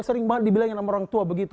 sering banget dibilangin sama orang tua begitu